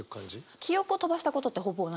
記憶を飛ばしたことってほぼなくて。